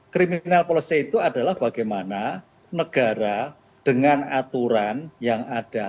criminal policy itu adalah bagaimana negara dengan aturan yang ada